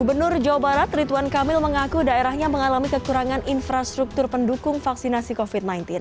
gubernur jawa barat rituan kamil mengaku daerahnya mengalami kekurangan infrastruktur pendukung vaksinasi covid sembilan belas